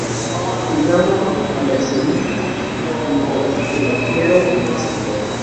Unamuno y Azorín lo elogiaron como escritor.